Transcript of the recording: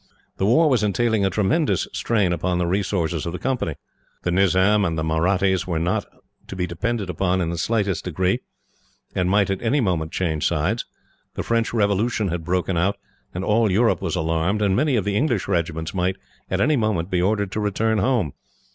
The war was entailing a tremendous strain upon the resources of the Company. The Nizam and Mahrattis were not to be depended upon in the slightest degree, and might at any moment change sides. The French revolution had broken out, and all Europe was alarmed, and many of the English regiments might, at any moment, be ordered to return home.